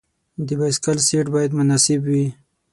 د بایسکل سیټ باید مناسب وي.